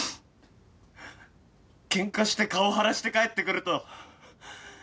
ケンカして顔腫らして帰ってくると。